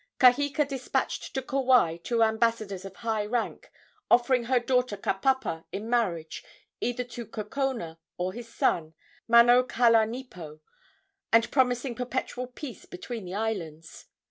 Kaheka despatched to Kauai two ambassadors of high rank, offering her daughter Kapapa in marriage either to Kukona or his son, Manokalanipo, and promising perpetual peace between the islands.